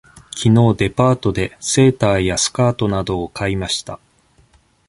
きのうデパートでセーターやスカートなどを買いました。